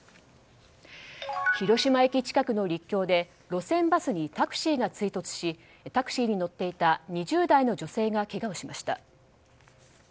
広島駅近くの陸橋で路線バスにタクシーが追突しタクシーに乗っていた２０代の女性がけがをしました。